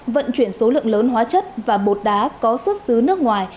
vận chuyển số lượng lớn hóa chất và bột đá có xuất xứ nước ngoài